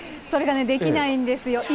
それがね、できないんですよ。